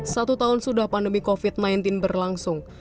satu tahun sudah pandemi covid sembilan belas berlangsung